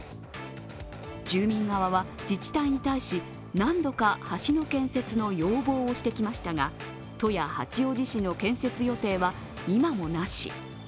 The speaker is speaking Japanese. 住民側は自治体に対し何度か橋の建設の要望をしてきましたが都や八王子市の建設予定は今もなし。